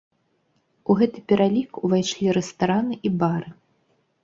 У гэты пералік увайшлі рэстараны і бары.